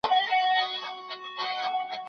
د وینا جزیات مي په نوټونو کي ولیکل.